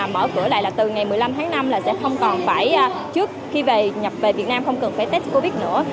mở cửa lại là từ ngày một mươi năm tháng năm là sẽ không còn phải trước khi về nhập về việt nam không cần phải test covid nữa